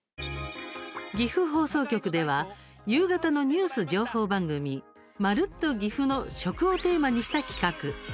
岐阜放送局では夕方のニュース情報番組「まるっと！ぎふ」の「食」をテーマにした企画。